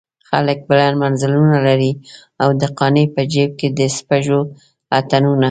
خلک بلند منزلونه لري او د قانع په جيب کې د سپږو اتڼونه.